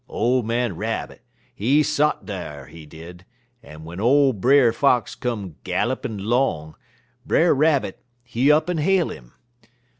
Ole man Rab., he sot dar, he did, en w'en ole Brer Fox come gallopin' 'long, Brer Rabbit, he up'n hail 'im.